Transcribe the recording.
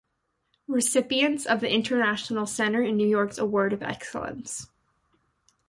Recipient of The International Center in New York's Award of Excellence.